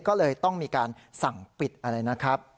ก็เลยต้องมีการสั่งปิดอะไรนะครับ